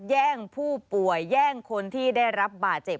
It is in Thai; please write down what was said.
แย่งผู้ป่วยแย่งคนที่ได้รับบาดเจ็บ